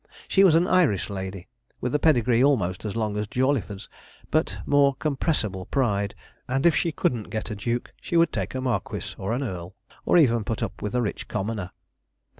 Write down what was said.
She was an Irish lady, with a pedigree almost as long as Jawleyford's, but more compressible pride, and if she couldn't get a duke, she would take a marquis or an earl, or even put up with a rich commoner.